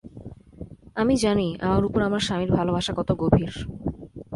আমি জানি আমার উপর আমার স্বামীর ভালোবাসা কত গভীর।